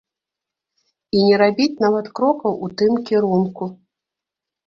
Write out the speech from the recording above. І не рабіць нават крокаў у тым кірунку.